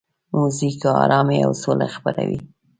موزیک آرامي او سوله خپروي.